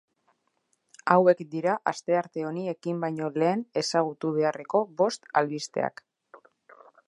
Hauek dira astearte honi ekin baino lehen ezagutu beharreko bost albisteak.